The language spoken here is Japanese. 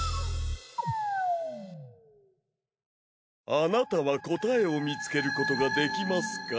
あなたは答えを見つけることができますか？